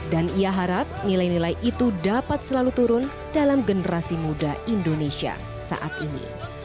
dan ia harap nilai nilai itu dapat selalu turun dalam generasi muda indonesia saat ini